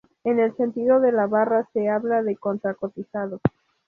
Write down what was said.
En el sentido de la barra, se habla de contra-cotizado.